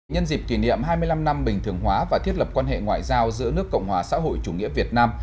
nhân dịp kỷ niệm hai mươi năm năm bình thường hóa và thiết lập quan hệ ngoại giao giữa nước cộng hòa xã hội chủ nghĩa việt nam